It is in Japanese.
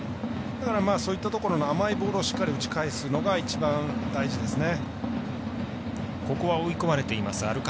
そういったところの甘いボールをしっかり打ち返すのが一番大事ですね。